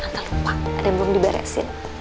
tante lupa ada yang belum dibareksin